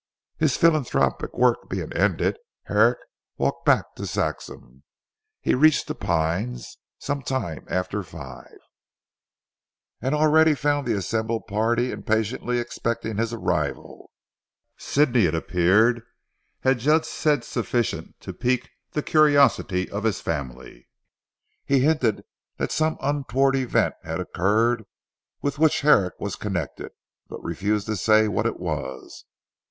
His philanthropic work being ended, Herrick walked back to Saxham. He reached 'The Pines' some time after five, and already found the assembled party impatiently expecting his arrival. Sidney, it appeared, had just said sufficient to pique the curiosity of his family. He hinted that some untoward event had occurred with which Herrick was connected, but refused to say what it was.